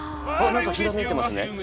何かひらめいてますね？